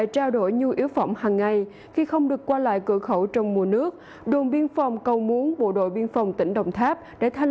trong thời gian tiếp theo đồng biên phòng cầu muốn bộ đội biên phòng tỉnh đồng tháp đã thành